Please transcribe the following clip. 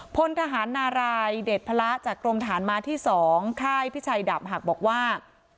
พลทหารนารายเด็ดพระจากกรมฐานม้าที่๒ค่ายพิชัยดาบหักบอกว่า